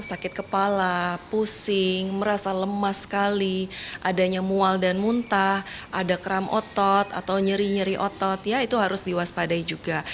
sakit kepala pusing merasa lemas sekali adanya mual dan muntah ada kram otot atau nyeri nyeri otot ya itu harus diwaspadai juga